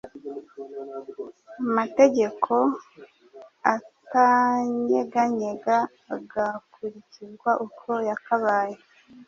Amategeko atanyeganyega agakurikizwa uko yakabaye